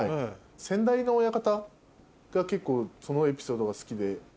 先代の親方が結構そのエピソードが好きで。